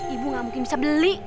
ibu gak mungkin bisa beli